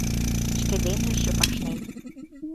Шке денже шып ашнен